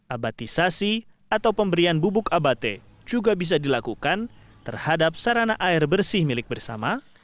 abatisasi atau pemberian bubuk abate juga bisa dilakukan terhadap sarana air bersih milik bersama